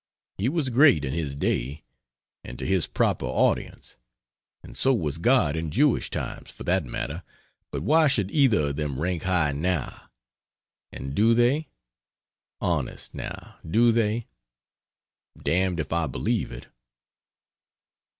He was great, in his day, and to his proper audience; and so was God in Jewish times, for that matter, but why should either of them rank high now? And do they? honest, now, do they? Dam'd if I believe it.